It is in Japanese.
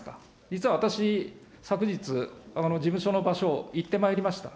実は私、昨日、事務所の場所、行ってまいりました。